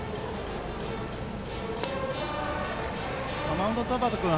マウンドの田端君